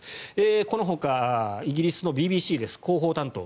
このほか、イギリスのＢＢＣ広報担当。